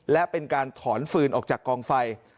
และเป็นการถอนฟืนออกจากกองไฟ